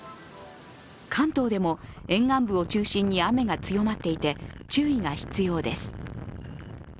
関東でも沿岸部を中心に雨が強まっていて注意が必要です。